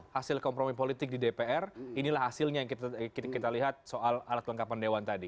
hasil kompromi politik di dpr inilah hasilnya yang kita lihat soal alat kelengkapan dewan tadi